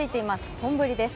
本降りです。